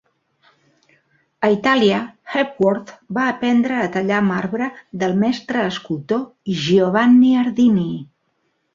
A Itàlia, Hepworth va aprendre a tallar marbre del mestre escultor, Giovanni Ardini.